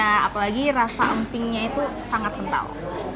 terus lagi rasa empingnya itu sangat kental